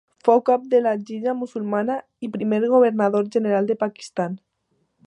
Fou cap de la Lliga Musulmana i primer governador general del Pakistan.